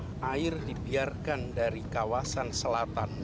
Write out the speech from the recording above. selama air dibiarkan dari daerah pegunungan di selatan jakarta